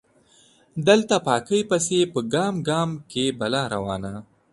دلته پاکۍ پسې په ګام ګام کې بلا روانه